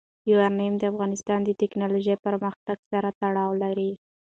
یورانیم د افغانستان د تکنالوژۍ پرمختګ سره تړاو لري.